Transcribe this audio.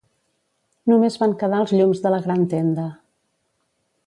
Només van quedar els llums de la gran tenda.